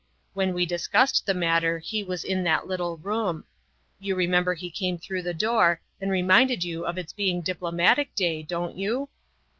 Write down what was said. When we discussed the matter he was in that little room. You remember he came through the door and reminded you of its being Diplomatic Day, don't you?"